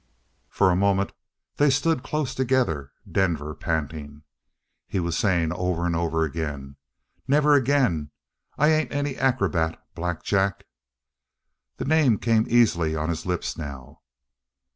For a moment they stood close together, Denver panting. He was saying over and over again: "Never again. I ain't any acrobat, Black Jack!" That name came easily on his lips now.